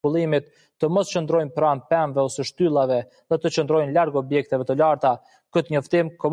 Salmon will naturally recolonize the of habitat in Olympic National Park.